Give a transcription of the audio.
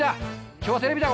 今日はテレビだ